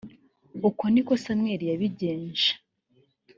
uko ni ko samweli yabigenje